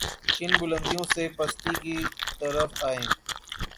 کن بلندیوں سے پستی کی طرف آئے۔